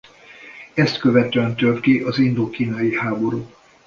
Ezt követően tört ki az indokínai háború.